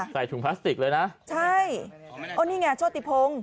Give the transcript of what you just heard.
ใส่ถุงพลาสติกเลยนะใช่โอ้นี่ไงโชติพงศ์